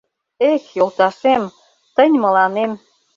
Эк, йолташем, тынь мыланем